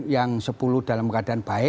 yang sepuluh dalam keadaan baik